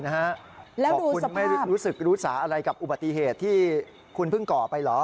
บอกคุณไม่รู้สึกรู้สาอะไรกับอุบัติเหตุที่คุณเพิ่งก่อไปเหรอ